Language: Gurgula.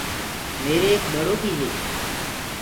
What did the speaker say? ميري ايڪ ٻڙو بيٚ هي۔